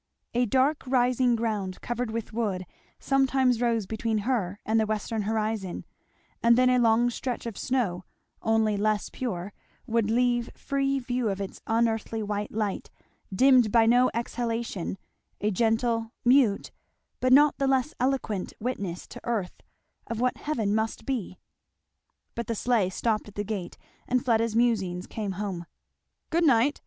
A dark rising ground covered with wood sometimes rose between her and the western horizon; and then a long stretch of snow, only less pure, would leave free view of its unearthly white light, dimmed by no exhalation, a gentle, mute, but not the less eloquent, witness to Earth of what Heaven must be. But the sleigh stopped at the gate, and Fleda's musings came home. "Good night!"